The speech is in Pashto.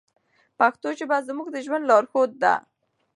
پښتو ژبه زموږ د ژوند لارښود ده.